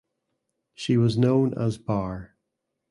She was known as "Bar".